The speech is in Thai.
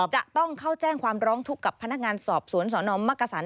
จะต้องเข้าแจ้งความร้องทุกข์กับพนักงานสอบสวนสนมักกษัน